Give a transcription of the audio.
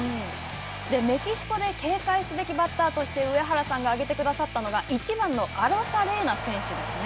メキシコで警戒すべきバッターとして、上原さんが挙げてくださったのが、１番のアロサレーナ選手ですね。